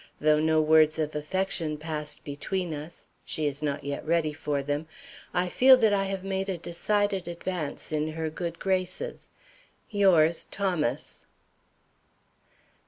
Though no words of affection passed between us (she is not yet ready for them), I feel that I have made a decided advance in her good graces. Yours, THOMAS.